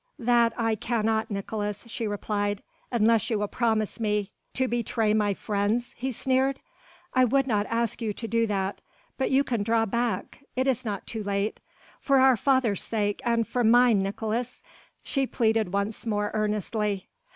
"That I cannot, Nicolaes," she replied, "unless you will promise me...." "To betray my friends?" he sneered. "I would not ask you to do that: but you can draw back ... it is not too late.... For our father's sake, and for mine, Nicolaes," she pleaded once more earnestly.